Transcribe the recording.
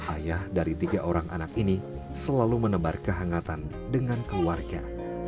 ayah dari tiga orang anak ini selalu menebar kehangatan dengan keluarga